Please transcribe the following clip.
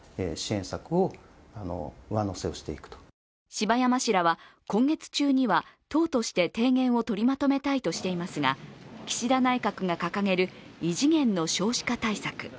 柴山氏らは、今月中には党として提言を取りまとめたいとしていますが岸田内閣が掲げる異次元の少子化対策